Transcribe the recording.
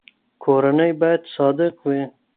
کورنۍ باید صادق وي.